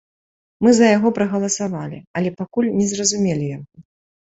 Мы за яго прагаласавалі, але пакуль не зразумелі яго.